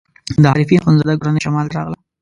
د عارفین اخندزاده کورنۍ شمال ته راغله.